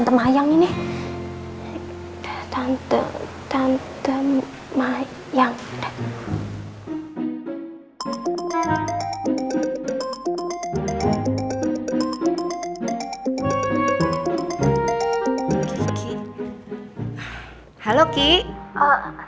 sembukan dia ya allah